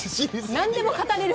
何でも語れる。